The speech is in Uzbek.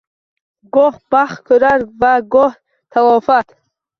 Goh baxt ko‘rar va goh talofat.